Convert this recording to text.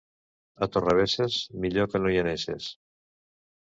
A Torrebesses, millor que no hi «anesses».